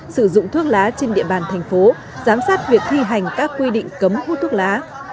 sử dụng thuốc lá trên địa bàn thành phố giám sát việc thi hành các quy định cấm hút thuốc lá